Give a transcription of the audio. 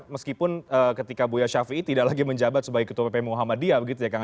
meskipun ketika buya syafiee tidak lagi menjabat sebagai ketua pp muhammadiyah